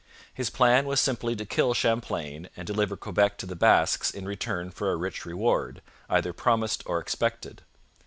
His plan was simply to kill Champlain and deliver Quebec to the Basques in return for a rich reward, either promised or expected.